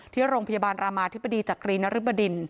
ที่โรงพยาบาลรามาธิบดีจักรีนริบดิน